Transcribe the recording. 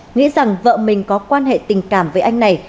nghĩ rằng vợ mình có quan hệ tình cảm với anh này